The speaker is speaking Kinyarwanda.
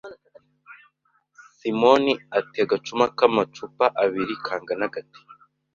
Simoni ati agacuma k'amacupa abiri kangana gate